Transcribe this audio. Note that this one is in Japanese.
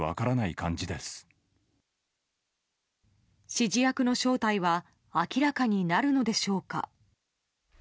指示役の正体は明らかになるのでしょうか。